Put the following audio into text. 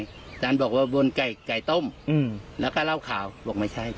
อาจารย์บอกว่าบนไก่ไก่ต้มแล้วก็เล่าข่าวบอกไม่ใช่